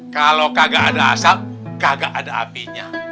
kalau kagak ada asap kakak ada apinya